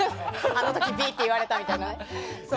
あの時Ｂって言われたみたいなね。